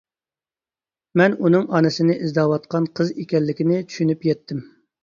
مەن ئۇنىڭ ئانىسىنى ئىزدەۋاتقان قىز ئىكەنلىكىنى چۈشىنىپ يەتتىم.